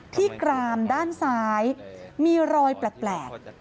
กรามด้านซ้ายมีรอยแปลก